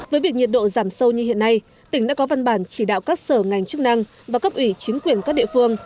với việc nhiệt độ giảm sâu như hiện nay tỉnh đã có văn bản chỉ đạo các sở ngành chức năng và cấp ủy chính quyền các địa phương